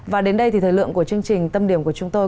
và đến đây thì thời lượng của chương trình tâm điểm của chúng tôi